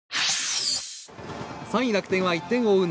３位、楽天は１点を追う